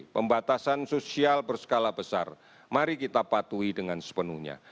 pembatasan sosial berskala besar mari kita patuhi dengan sepenuhnya